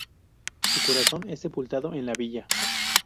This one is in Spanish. Su corazón es sepultado en la villa.